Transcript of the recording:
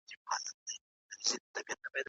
داسي تېر سو لکه خوب وي چا لېدلی